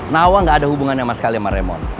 nawang gak ada hubungannya sama sekali sama raymond